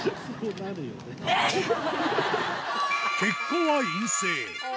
結果は陰性。